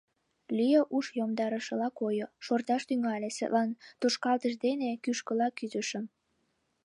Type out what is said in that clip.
Лео уш йомдарышыла койо, шорташ тӱҥале, садлан тошкалтыш дене кӱшкыла кӱзышым.